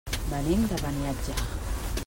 Venim de Beniatjar.